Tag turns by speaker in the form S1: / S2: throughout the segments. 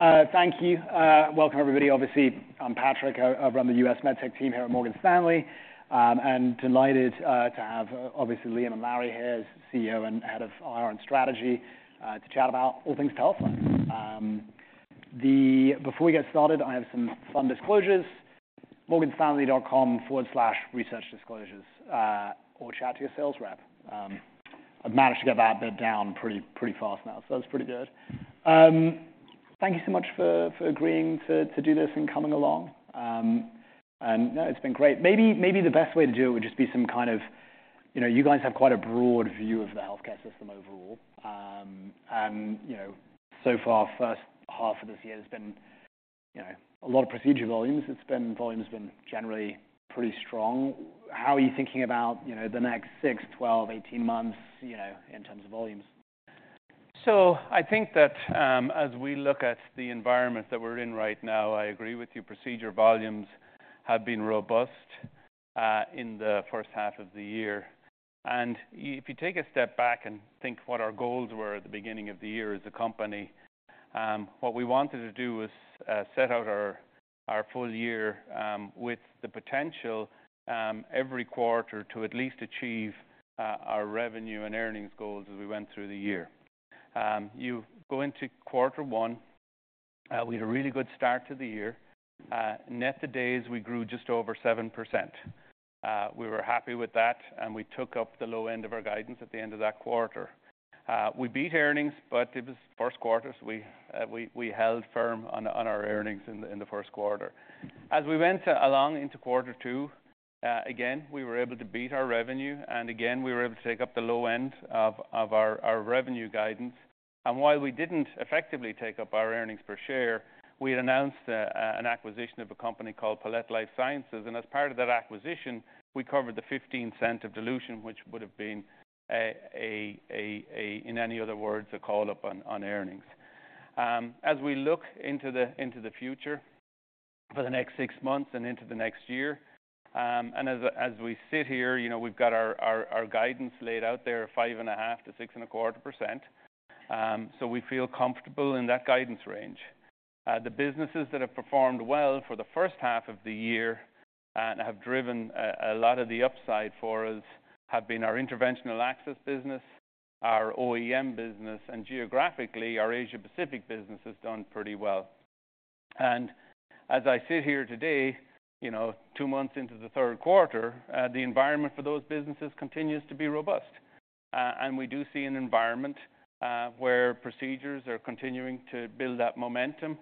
S1: Thank you. Welcome, everybody. Obviously, I'm Patrick. I run the U.S. MedTech team here at Morgan Stanley. And delighted to have Liam and Larry here as CEO and Head of IR & Strategy to chat about all things Teleflex. Before we get started, I have some fun disclosures, morganstanley.com/researchdisclosures, or chat to your sales rep. I've managed to get that bit down pretty fast now, so that's pretty good. Thank you so much for agreeing to do this and coming along. And no, it's been great. Maybe the best way to do it would just be some kind of, you know, you guys have quite a broad view of the healthcare system overall. And, you know, so far, first half of this year has been, you know, a lot of procedure volumes. It's been, volume has been generally pretty strong. How are you thinking about, you know, the next six, 12, 18 months, you know, in terms of volumes?
S2: So I think that, as we look at the environment that we're in right now, I agree with you. Procedure volumes have been robust in the first half of the year. If you take a step back and think of what our goals were at the beginning of the year as a company, what we wanted to do was set out our full year with the potential every quarter to at least achieve our revenue and earnings goals as we went through the year. You go into quarter one, we had a really good start to the year. Net of days, we grew just over 7%. We were happy with that, and we took up the low end of our guidance at the end of that quarter. We beat earnings, but it was the first quarter, so we held firm on our earnings in the first quarter. As we went along into quarter two, again, we were able to beat our revenue, and again, we were able to take up the low end of our revenue guidance. And while we didn't effectively take up our earnings per share, we had announced an acquisition of a company called Palette Life Sciences, and as part of that acquisition, we covered the $0.15 of dilution, which would have been, in any other words, a call up on earnings. As we look into the future for the next six months and into the next year, and as we sit here, you know, we've got our guidance laid out there, 5.5%-6.25%. So we feel comfortable in that guidance range. The businesses that have performed well for the first half of the year and have driven a lot of the upside for us have been our interventional access business, our OEM business, and geographically, our Asia Pacific business has done pretty well. As I sit here today, you know, two months into the third quarter, the environment for those businesses continues to be robust. We do see an environment where procedures are continuing to build that momentum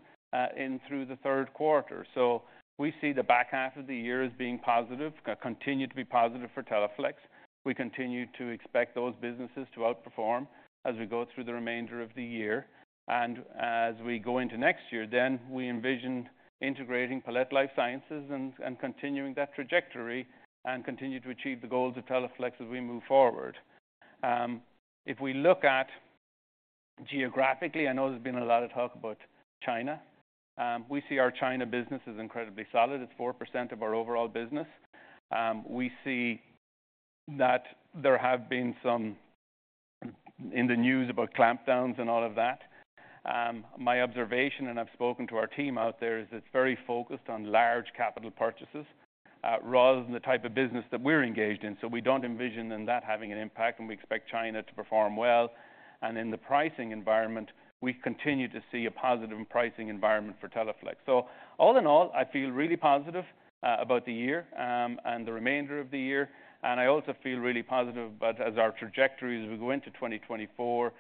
S2: into the third quarter. So we see the back half of the year as being positive, continue to be positive for Teleflex. We continue to expect those businesses to outperform as we go through the remainder of the year. And as we go into next year, then we envision integrating Palette Life Sciences and, and continuing that trajectory and continue to achieve the goals of Teleflex as we move forward. If we look at geographically, I know there's been a lot of talk about China. We see our China business as incredibly solid. It's 4% of our overall business. We see that there have been some... in the news about clampdowns and all of that. My observation, and I've spoken to our team out there, is it's very focused on large capital purchases, rather than the type of business that we're engaged in. So we don't envision in that having an impact, and we expect China to perform well. And in the pricing environment, we continue to see a positive pricing environment for Teleflex. So all in all, I feel really positive about the year, and the remainder of the year. And I also feel really positive about as our trajectory, as we go into 2024,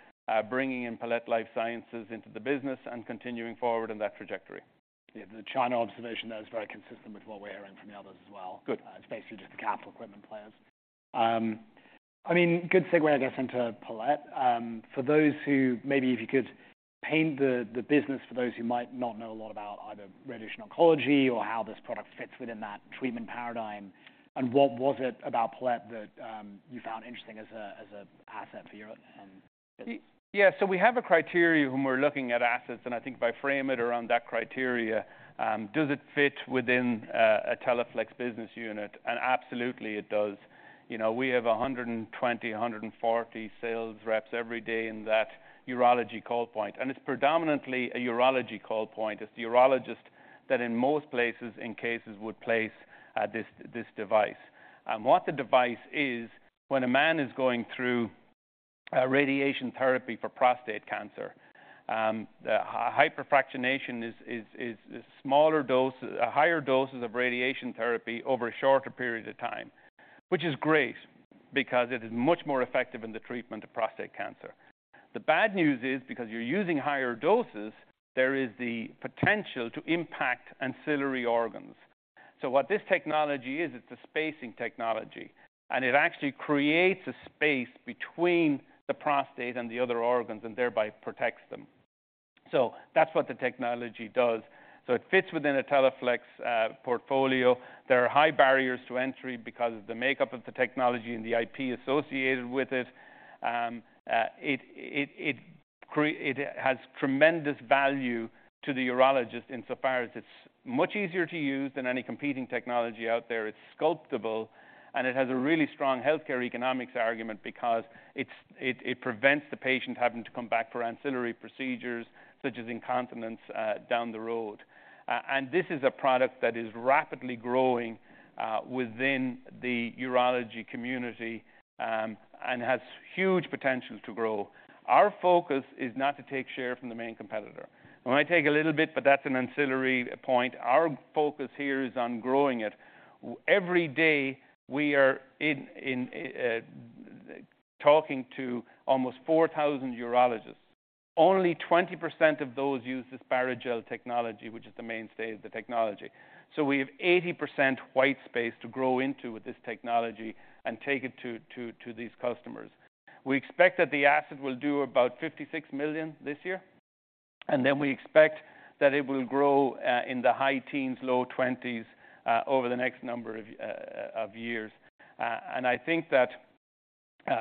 S2: bringing in Palette Life Sciences into the business and continuing forward on that trajectory.
S1: Yeah, the China observation, that is very consistent with what we're hearing from the others as well.
S2: Good.
S1: It's basically just the capital equipment players. I mean, good segue, I guess, into Palette. For those who maybe if you could paint the, the business for those who might not know a lot about either radiation oncology or how this product fits within that treatment paradigm, and what was it about Palette that, you found interesting as a, as a asset for you and-
S2: Yeah, so we have a criteria when we're looking at assets, and I think if I frame it around that criteria, does it fit within a Teleflex business unit? And absolutely, it does. You know, we have 120-140 sales reps every day in that urology call point, and it's predominantly a urology call point. It's the urologist that in most places, in cases, would place this device. What the device is, when a man is going through radiation therapy for prostate cancer, the hyperfractionation is smaller dose, higher doses of radiation therapy over a shorter period of time, which is great because it is much more effective in the treatment of prostate cancer. The bad news is because you're using higher doses, there is the potential to impact ancillary organs. So what this technology is, it's a spacing technology, and it actually creates a space between the prostate and the other organs and thereby protects them. So that's what the technology does. So it fits within a Teleflex portfolio. There are high barriers to entry because of the makeup of the technology and the IP associated with it. It has tremendous value to the urologist insofar as it's much easier to use than any competing technology out there. It's sculptable, and it has a really strong healthcare economics argument because it prevents the patient having to come back for ancillary procedures such as incontinence down the road. And this is a product that is rapidly growing within the urology community and has huge potential to grow. Our focus is not to take share from the main competitor. We might take a little bit, but that's an ancillary point. Our focus here is on growing it. Every day, we are talking to almost 4,000 urologists. Only 20% of those use the Barrigel technology, which is the mainstay of the technology. So we have 80% white space to grow into with this technology and take it to these customers. We expect that the asset will do about $56 million this year, and then we expect that it will grow in the high teens-low twenties over the next number of years. And I think that,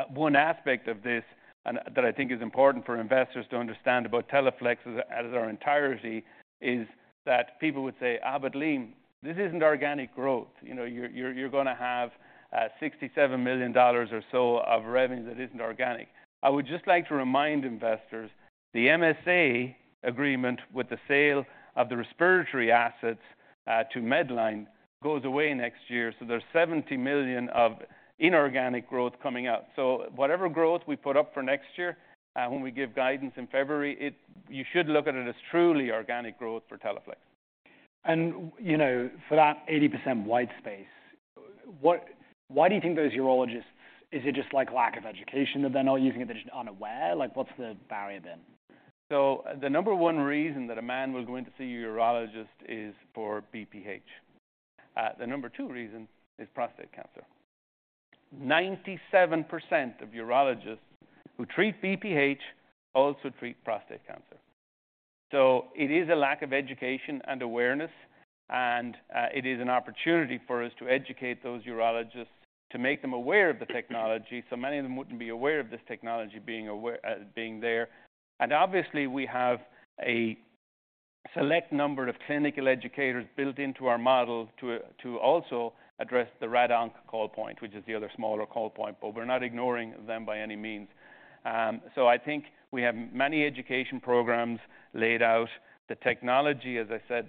S2: one aspect of this and that I think is important for investors to understand about Teleflex as our entirety, is that people would say, "Ah, but Liam, this isn't organic growth. You know, you're gonna have, $67 million or so of revenue that isn't organic." I would just like to remind investors, the MSA agreement with the sale of the respiratory assets to Medline goes away next year, so there's $70 million of inorganic growth coming out. So whatever growth we put up for next year, when we give guidance in February, you should look at it as truly organic growth for Teleflex.
S1: You know, for that 80% white space, what, why do you think those urologists... Is it just like lack of education, that they're not using it, they're just unaware? Like, what's the barrier then?
S2: So the number one reason that a man will go in to see a urologist is for BPH. The number two reason is prostate cancer. 97% of urologists who treat BPH also treat prostate cancer. So it is a lack of education and awareness, and it is an opportunity for us to educate those urologists to make them aware of the technology. So many of them wouldn't be aware of this technology being aware, being there. And obviously, we have a select number of clinical educators built into our model to also address the RadOnc call point, which is the other smaller call point, but we're not ignoring them by any means. So I think we have many education programs laid out. The technology, as I said,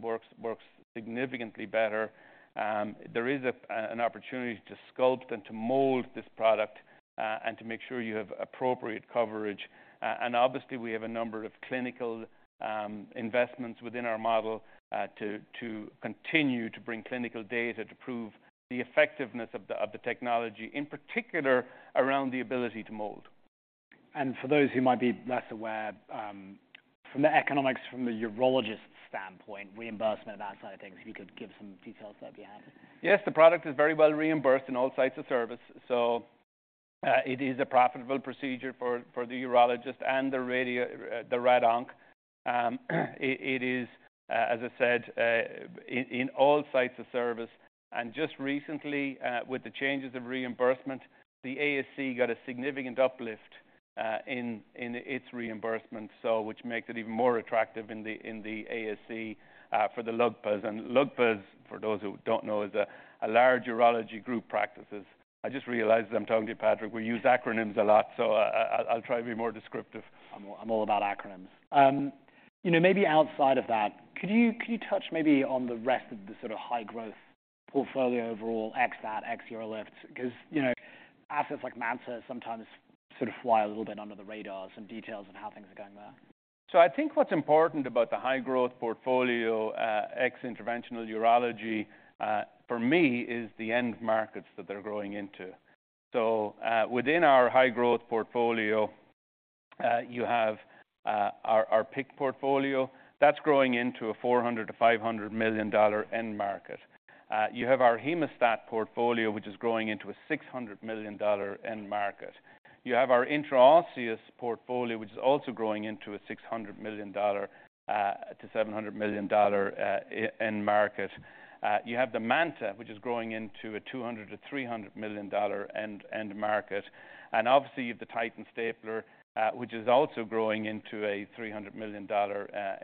S2: works, works significantly better. There is an opportunity to sculpt and to mold this product, and to make sure you have appropriate coverage. Obviously, we have a number of clinical investments within our model to continue to bring clinical data to prove the effectiveness of the technology, in particular, around the ability to mold.
S1: For those who might be less aware, from the economics, from the urologist standpoint, reimbursement, that side of things, if you could give some details there, if you have.
S2: Yes, the product is very well reimbursed in all sites of service. So, it is a profitable procedure for the urologist and the RadOnc. It is, as I said, in all sites of service. And just recently, with the changes of reimbursement, the ASC got a significant uplift in its reimbursement, so which makes it even more attractive in the ASC for the LUGPA. And LUGPA, for those who don't know, is a large urology group practices. I just realized I'm talking to Patrick, we use acronyms a lot, so I'll try to be more descriptive.
S1: I'm all about acronyms. You know, maybe outside of that, could you touch maybe on the rest of the sort of high-growth portfolio overall, ex that, ex UroLift? Because, you know, assets like MANTA sometimes sort of fly a little bit under the radar, some details on how things are going there.
S2: So I think what's important about the high growth portfolio, ex interventional urology, for me, is the end markets that they're growing into. So, within our high growth portfolio, you have our PICC portfolio that's growing into a $400 million-$500 million end market. You have our Hemostat portfolio, which is growing into a $600 million end market. You have our intraosseous portfolio, which is also growing into a $600 million-$700 million end market. You have the MANTA, which is growing into a $200 million-$300 million end market. And obviously, you have the Titan stapler, which is also growing into a $300 million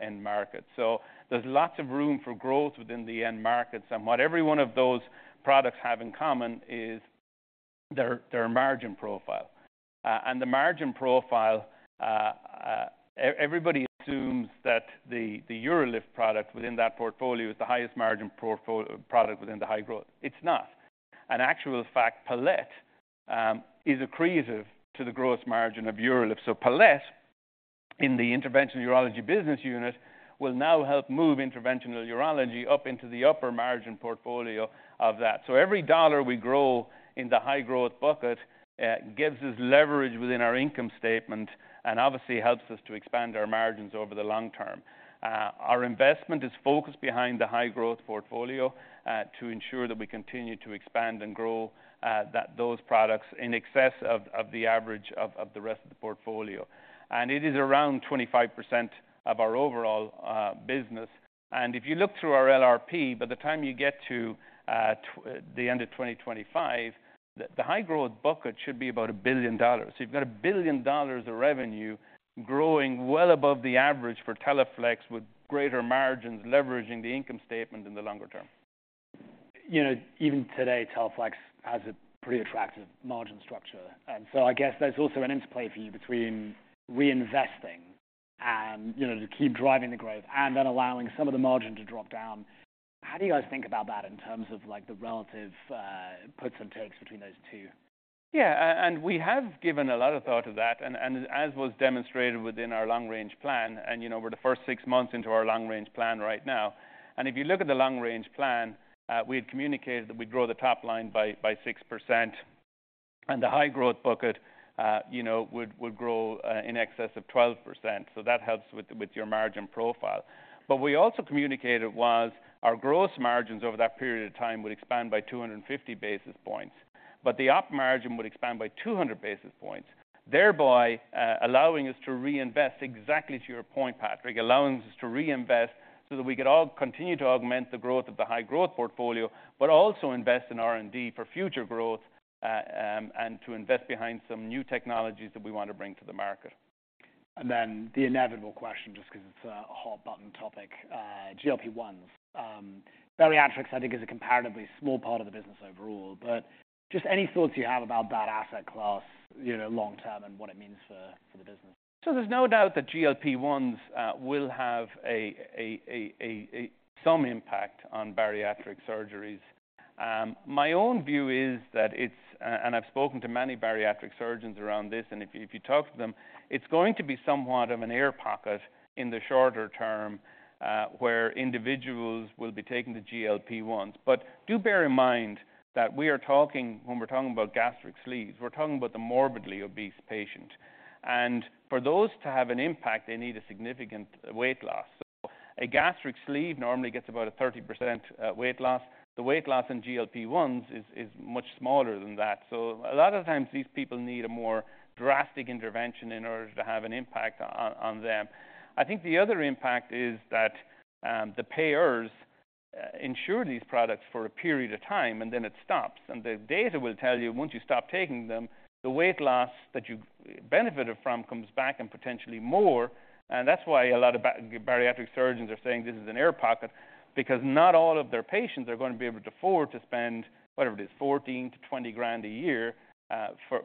S2: end market. So there's lots of room for growth within the end markets. What every one of those products have in common is their margin profile. The margin profile, everybody assumes that the UroLift product within that portfolio is the highest margin product within the high growth. It's not. In actual fact, Palette is accretive to the growth margin of UroLift. So Palette, in the interventional urology business unit, will now help move interventional urology up into the upper margin portfolio of that. So every dollar we grow in the high-growth bucket gives us leverage within our income statement and obviously helps us to expand our margins over the long term. Our investment is focused behind the high growth portfolio to ensure that we continue to expand and grow those products in excess of the average of the rest of the portfolio. It is around 25% of our overall business. If you look through our LRP, by the time you get to the end of 2025, the high-growth bucket should be about $1 billion. You've got $1 billion of revenue growing well above the average for Teleflex, with greater margins leveraging the income statement in the longer term....
S1: You know, even today, Teleflex has a pretty attractive margin structure. And so I guess there's also an interplay for you between reinvesting and, you know, to keep driving the growth and then allowing some of the margin to drop down. How do you guys think about that in terms of, like, the relative puts and takes between those two?
S2: Yeah, and we have given a lot of thought to that, and as was demonstrated within our long-range plan, and, you know, we're the first six months into our long-range plan right now. And if you look at the long-range plan, we had communicated that we'd grow the top line by 6%, and the high-growth bucket, you know, would grow in excess of 12%. So that helps with your margin profile. But we also communicated was our gross margins over that period of time would expand by 250 basis points, but the op margin would expand by 200 basis points, thereby allowing us to reinvest. Exactly to your point, Patrick, allowing us to reinvest so that we could all continue to augment the growth of the high-growth portfolio, but also invest in R&D for future growth, and to invest behind some new technologies that we want to bring to the market.
S1: And then the inevitable question, just because it's a hot button topic, GLP-1. Bariatrics, I think, is a comparatively small part of the business overall, but just any thoughts you have about that asset class, you know, long term and what it means for the business.
S2: So there's no doubt that GLP-1s will have some impact on bariatric surgeries. My own view is that it's and I've spoken to many bariatric surgeons around this, and if you talk to them, it's going to be somewhat of an air pocket in the shorter term, where individuals will be taking the GLP-1. But do bear in mind that we are talking, when we're talking about gastric sleeves, we're talking about the morbidly obese patient, and for those to have an impact, they need a significant weight loss. So a gastric sleeve normally gets about a 30% weight loss. The weight loss in GLP-1 is much smaller than that. So a lot of times these people need a more drastic intervention in order to have an impact on them. I think the other impact is that the payers insure these products for a period of time, and then it stops. The data will tell you, once you stop taking them, the weight loss that you've benefited from comes back and potentially more. That's why a lot of bariatric surgeons are saying this is an air pocket, because not all of their patients are going to be able to afford to spend, whatever it is, $14,000-$20,000 a year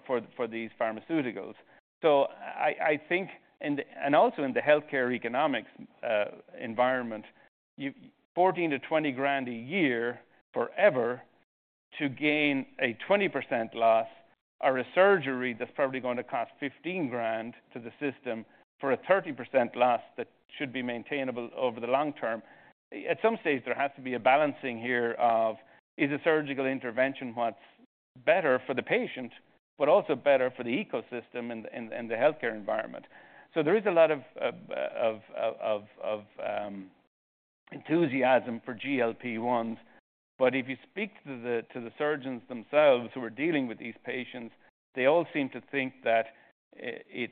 S2: for these pharmaceuticals. So I think and also in the healthcare economics environment, you have $14,000-$20,000 a year forever to gain a 20% loss, or a surgery that's probably going to cost $15,000 to the system for a 30% loss that should be maintainable over the long term. At some stage, there has to be a balancing here of is a surgical intervention what's better for the patient, but also better for the ecosystem and the healthcare environment? So there is a lot of enthusiasm for GLP-1. But if you speak to the surgeons themselves who are dealing with these patients, they all seem to think that it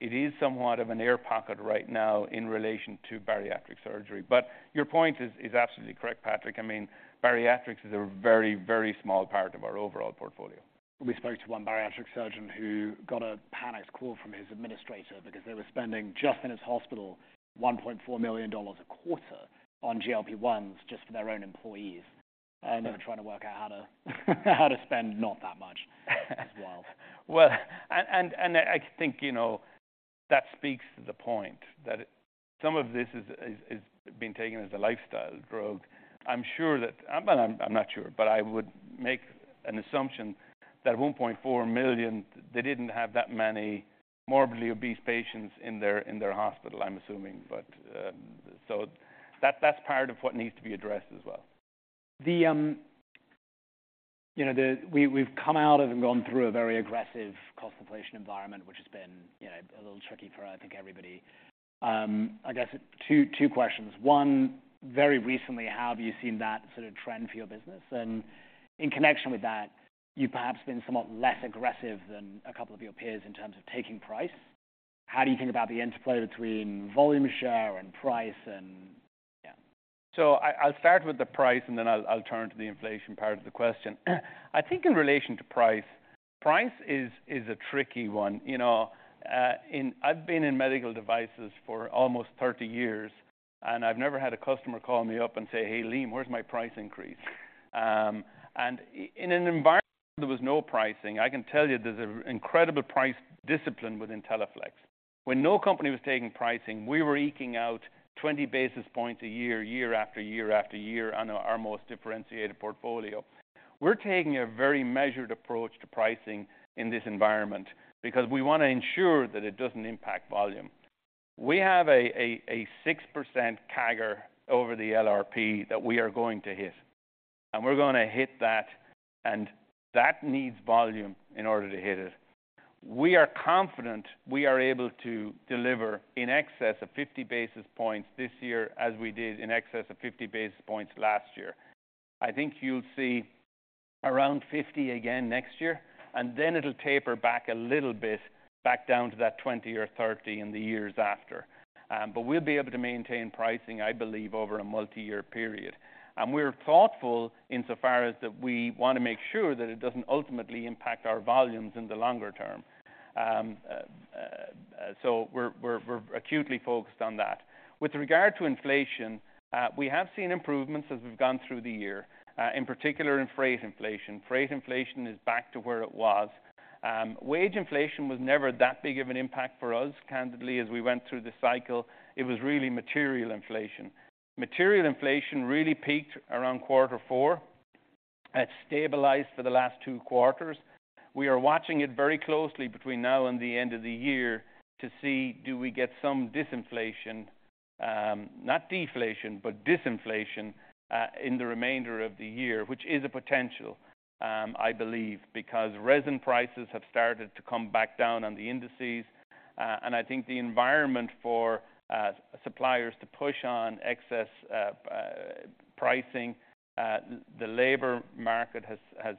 S2: is somewhat of an air pocket right now in relation to bariatric surgery. But your point is absolutely correct, Patrick. I mean, bariatrics is a very, very small part of our overall portfolio.
S1: We spoke to one bariatric surgeon who got a panicked call from his administrator because they were spending, just in his hospital, $1.4 million a quarter on GLP-1s just for their own employees, and they're trying to work out how to spend not that much as well.
S2: Well, I think, you know, that speaks to the point that some of this is being taken as a lifestyle drug. I'm sure that... Well, I'm not sure, but I would make an assumption that 1.4 million, they didn't have that many morbidly obese patients in their hospital, I'm assuming. But, so that's part of what needs to be addressed as well.
S1: We, we've come out of and gone through a very aggressive cost inflation environment, which has been, you know, a little tricky for, I think, everybody. I guess two questions. One, very recently, how have you seen that sort of trend for your business? And in connection with that, you've perhaps been somewhat less aggressive than a couple of your peers in terms of taking price. How do you think about the interplay between volume share and price and... Yeah.
S2: So I'll start with the price, and then I'll turn to the inflation part of the question. I think in relation to price, price is a tricky one. You know, in I've been in medical devices for almost 30 years, and I've never had a customer call me up and say, "Hey, Liam, where's my price increase?" And in an environment there was no pricing, I can tell you there's an incredible price discipline within Teleflex. When no company was taking pricing, we were eking out 20 basis points a year, year after year after year on our most differentiated portfolio. We're taking a very measured approach to pricing in this environment because we want to ensure that it doesn't impact volume. We have a 6% CAGR over the LRP that we are going to hit, and we're going to hit that, and that needs volume in order to hit it. We are confident we are able to deliver in excess of 50 basis points this year, as we did in excess of 50 basis points last year. I think you'll see around 50 again next year, and then it'll taper back a little bit, back down to that 20 or 30 in the years after. But we'll be able to maintain pricing, I believe, over a multi-year period. And we're thoughtful insofar as that we want to make sure that it doesn't ultimately impact our volumes in the longer term. So we're acutely focused on that. With regard to inflation, we have seen improvements as we've gone through the year, in particular in freight inflation. Freight inflation is back to where it was. Wage inflation was never that big of an impact for us. Candidly, as we went through the cycle, it was really material inflation. Material inflation really peaked around quarter four. It stabilized for the last two quarters. We are watching it very closely between now and the end of the year to see, do we get some disinflation, not deflation, but disinflation, in the remainder of the year, which is a potential, I believe, because resin prices have started to come back down on the indices. And I think the environment for suppliers to push on excess pricing, the labor market has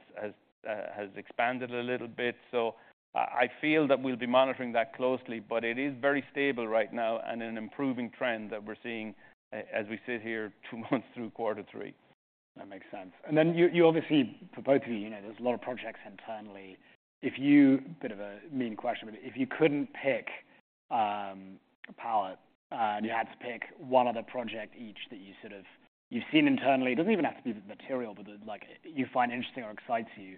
S2: expanded a little bit. So I feel that we'll be monitoring that closely, but it is very stable right now and an improving trend that we're seeing as we sit here two months through quarter three.
S1: That makes sense. And then you, you obviously, for both of you, you know, there's a lot of projects internally. Bit of a mean question, but if you couldn't pick Palette, and you had to pick one other project each that you sort of you've seen internally, it doesn't even have to be the material, but like you find interesting or excites you,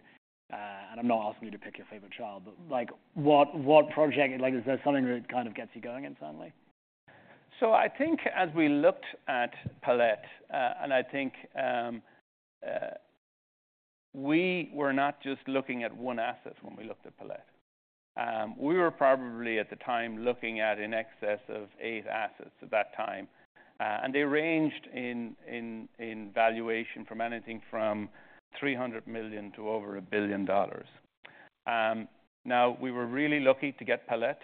S1: and I'm not asking you to pick your favorite child, but like, what, what project? Like, is there something that kind of gets you going internally?
S2: So I think as we looked at Palette, and I think, we were not just looking at one asset when we looked at Palette. We were probably, at the time, looking at in excess of eight assets at that time, and they ranged in valuation from anything from $300 million to over $1 billion. Now we were really lucky to get Palette,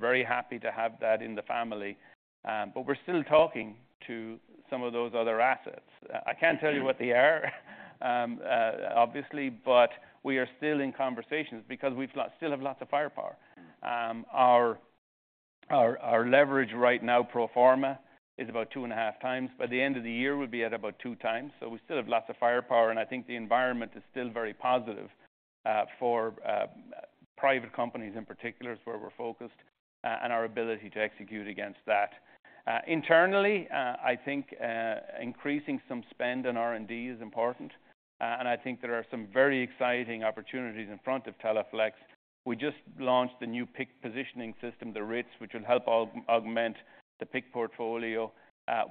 S2: very happy to have that in the family. But we're still talking to some of those other assets. I can't tell you what they are, obviously, but we are still in conversations because we've still have lots of firepower. Our leverage right now, pro forma, is about 2.5x. By the end of the year, we'll be at about 2x. So we still have lots of firepower, and I think the environment is still very positive for private companies in particular, is where we're focused, and our ability to execute against that. Internally, I think increasing some spend on R&D is important, and I think there are some very exciting opportunities in front of Teleflex. We just launched the new PICC positioning system, the Ritz, which will help augment the PICC portfolio.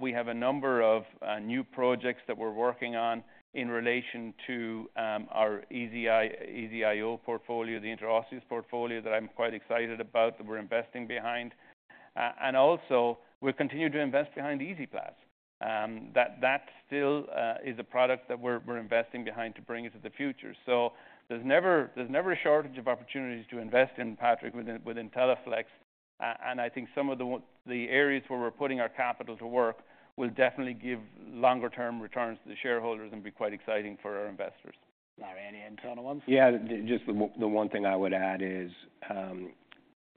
S2: We have a number of new projects that we're working on in relation to our EZ-IO portfolio, the intraosseous portfolio that I'm quite excited about, that we're investing behind. And also we've continued to invest behind EasyPlast. That still is a product that we're investing behind to bring into the future. There's never a shortage of opportunities to invest in, Patrick, within Teleflex. And I think some of the areas where we're putting our capital to work will definitely give longer-term returns to the shareholders and be quite exciting for our investors.
S1: Are any internal ones?
S3: Yeah, just the one thing I would add is,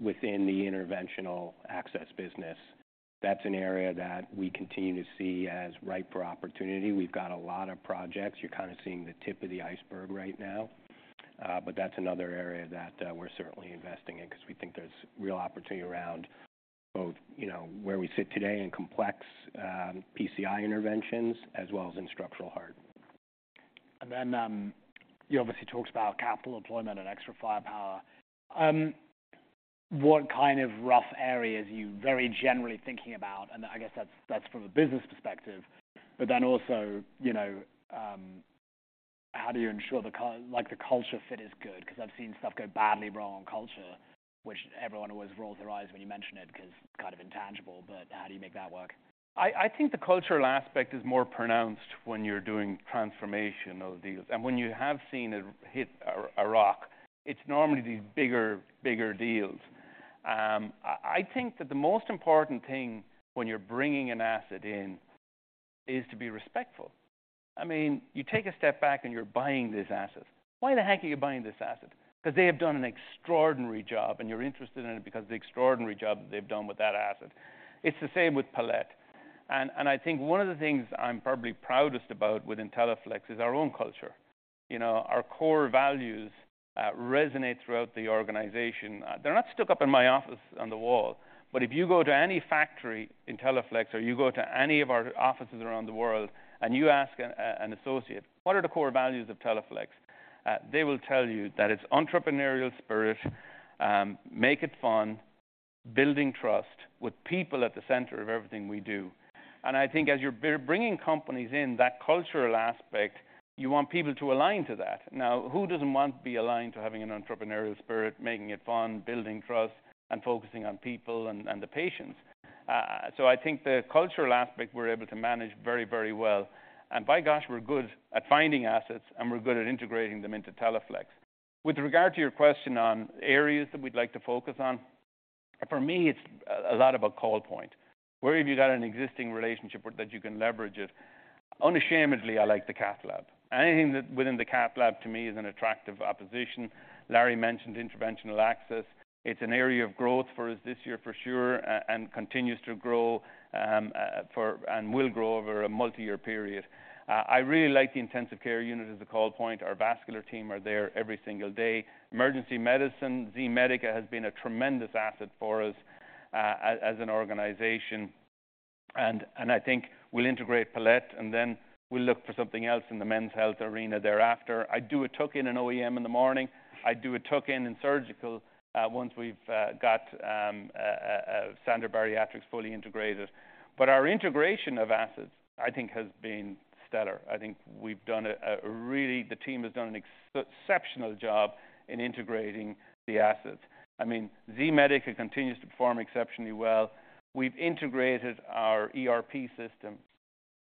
S3: within the interventional access business, that's an area that we continue to see as ripe for opportunity. We've got a lot of projects. You're kind of seeing the tip of the iceberg right now, but that's another area that, we're certainly investing in because we think there's real opportunity around both, you know, where we sit today in complex PCI interventions as well as in structural heart.
S1: Then, you obviously talked about capital deployment and extra firepower. What kind of rough areas are you very generally thinking about? I guess that's, that's from a business perspective, but then also, you know, how do you ensure like, the culture fit is good? Because I've seen stuff go badly wrong on culture, which everyone always rolls their eyes when you mention it because it's kind of intangible, but how do you make that work?
S2: I, I think the cultural aspect is more pronounced when you're doing transformational deals. And when you have seen it hit a rock, it's normally these bigger, bigger deals. I, I think that the most important thing when you're bringing an asset in is to be respectful. I mean, you take a step back and you're buying this asset. Why the heck are you buying this asset? Because they have done an extraordinary job, and you're interested in it because of the extraordinary job they've done with that asset. It's the same with Palette. And I think one of the things I'm probably proudest about within Teleflex is our own culture. You know, our core values resonate throughout the organization. They're not stuck up in my office on the wall, but if you go to any factory in Teleflex, or you go to any of our offices around the world, and you ask an associate, "What are the core values of Teleflex?" They will tell you that it's entrepreneurial spirit, make it fun, building trust with people at the center of everything we do. And I think as you're bringing companies in, that cultural aspect, you want people to align to that. Now, who doesn't want to be aligned to having an entrepreneurial spirit, making it fun, building trust, and focusing on people and the patients? So I think the cultural aspect, we're able to manage very, very well. And by gosh, we're good at finding assets, and we're good at integrating them into Teleflex. With regard to your question on areas that we'd like to focus on. For me, it's a lot of a call point. Where have you got an existing relationship with that you can leverage it? Unashamedly, I like the cath lab. Anything that within the cath lab, to me, is an attractive opportunity. Larry mentioned interventional access. It's an area of growth for us this year, for sure, and continues to grow and will grow over a multi-year period. I really like the intensive care unit as a call point. Our vascular team are there every single day. Emergency medicine, Z-Medica, has been a tremendous asset for us, as an organization, and I think we'll integrate Palette, and then we'll look for something else in the men's health arena thereafter. I do a token in OEM in the morning. I do a token in surgical, once we've got a Standard Bariatrics fully integrated. But our integration of assets, I think, has been stellar. I think we've done a really... The team has done an exceptional job in integrating the assets. I mean, Z-Medica continues to perform exceptionally well. We've integrated our ERP system,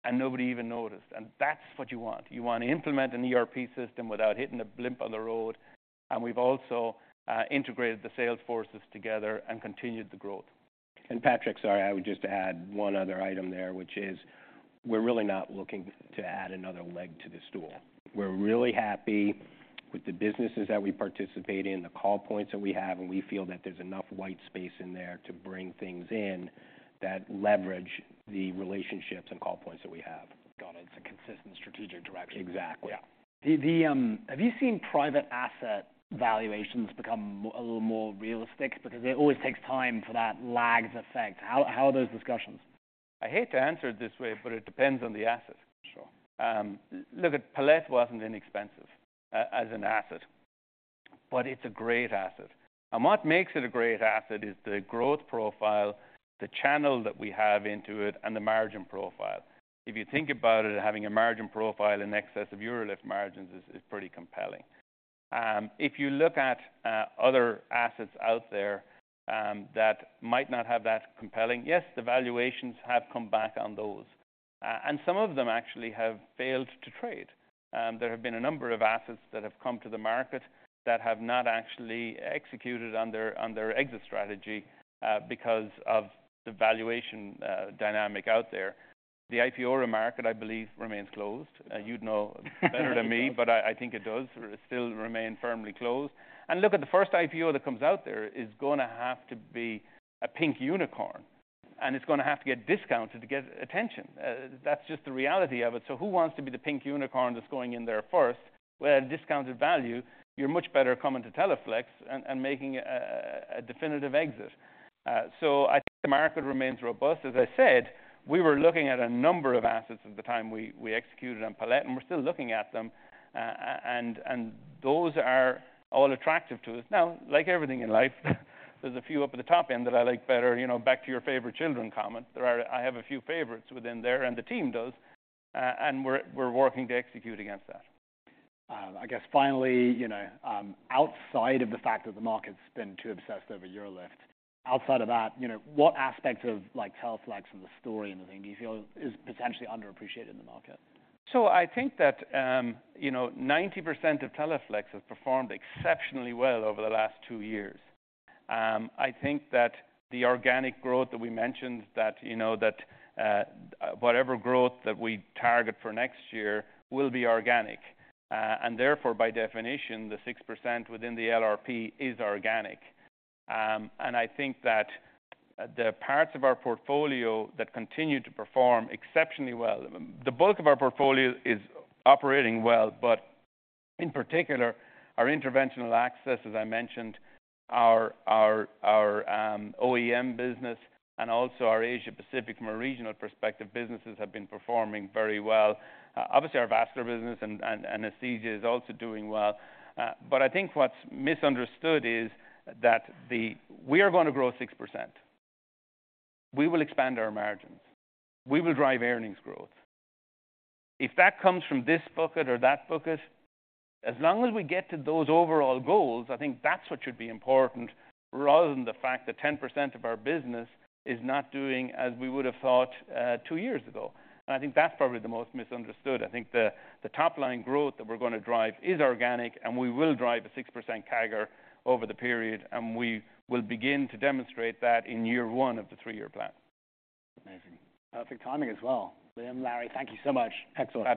S2: and nobody even noticed, and that's what you want. You want to implement an ERP system without hitting a bump on the road, and we've also integrated the sales forces together and continued the growth.
S3: And, Patrick, sorry, I would just add one other item there, which is we're really not looking to add another leg to the stool. We're really happy with the businesses that we participate in, the call points that we have, and we feel that there's enough white space in there to bring things in that leverage the relationships and call points that we have.
S2: Got it. It's a consistent strategic direction.
S3: Exactly.
S2: Yeah.
S1: Have you seen private asset valuations become a little more realistic? Because it always takes time for that lag effect. How are those discussions?
S2: I hate to answer it this way, but it depends on the asset.
S1: Sure.
S2: Look, Palette wasn't inexpensive as an asset, but it's a great asset. What makes it a great asset is the growth profile, the channel that we have into it, and the margin profile. If you think about it, having a margin profile in excess of UroLift margins is pretty compelling. If you look at other assets out there that might not have that compelling, yes, the valuations have come back on those, and some of them actually have failed to trade. There have been a number of assets that have come to the market that have not actually executed on their exit strategy because of the valuation dynamic out there. The IPO market, I believe, remains closed. You'd know better than me, but I think it does still remain firmly closed. And look, at the first IPO that comes out there is gonna have to be a pink unicorn, and it's gonna have to get discounted to get attention. That's just the reality of it. So who wants to be the pink unicorn that's going in there first? With a discounted value, you're much better coming to Teleflex and making a definitive exit. So I think the market remains robust. As I said, we were looking at a number of assets at the time we executed on Palette, and we're still looking at them. And those are all attractive to us. Now, like everything in life, there's a few up at the top end that I like better, you know, back to your favorite children comment. I have a few favorites within there, and the team does, and we're working to execute against that.
S1: I guess finally, you know, outside of the fact that the market's been too obsessed over your UroLift, outside of that, you know, what aspects of, like, Teleflex and the story and the thing do you feel is potentially underappreciated in the market?
S2: So I think that, you know, 90% of Teleflex has performed exceptionally well over the last two years. I think that the organic growth that we mentioned, that, you know, whatever growth that we target for next year will be organic, and therefore, by definition, the 6% within the LRP is organic. And I think that the parts of our portfolio that continue to perform exceptionally well, the bulk of our portfolio is operating well, but in particular, our interventional access, as I mentioned, our OEM business and also our Asia-Pacific, from a regional perspective, businesses have been performing very well. Obviously, our vascular business and anesthesia is also doing well. But I think what's misunderstood is that the... We are gonna grow 6%. We will expand our margins. We will drive earnings growth. If that comes from this bucket or that bucket, as long as we get to those overall goals, I think that's what should be important, rather than the fact that 10% of our business is not doing as we would have thought two years ago. I think that's probably the most misunderstood. I think the top-line growth that we're gonna drive is organic, and we will drive a 6% CAGR over the period, and we will begin to demonstrate that in year one of the three-year plan.
S1: Amazing. Perfect timing as well. Liam, Larry, thank you so much.
S3: Excellent.
S2: Patrick.